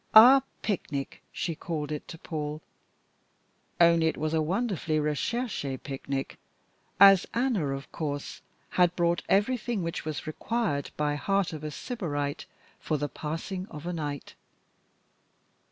"Our picnic," she called it to Paul only it was a wonderfully recherché picnic, as Anna of course had brought everything which was required by heart of sybarite for the passing of a night.